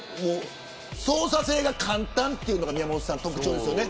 操作性が簡単というのが宮本さん特徴ですよね。